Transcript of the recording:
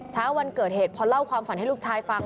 เช้าวันเกิดเหตุพอเล่าความฝันให้ลูกชายฟัง